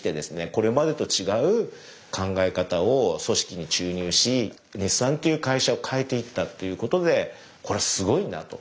これまでと違う考え方を組織に注入し日産という会社を変えていったということでこれはすごいなと。